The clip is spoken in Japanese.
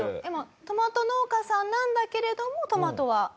でもトマト農家さんなんだけれどもトマトは？